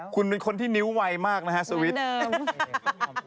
คุณเป็นคนที่นิ้วไวมากนะฮะสวิตช์